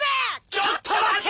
ちょっと待て！